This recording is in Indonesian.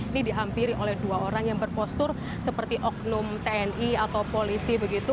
ini dihampiri oleh dua orang yang berpostur seperti oknum tni atau polisi begitu